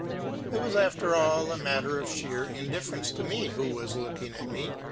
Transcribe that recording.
It was after all a matter of sheer indifference to me who was looking at me.